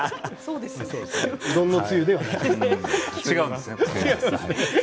うどんのつゆではないです。